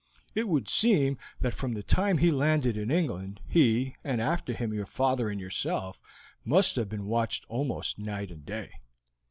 It would seem that from the time he landed in England he, and after him your father and yourself, must have been watched almost night and day.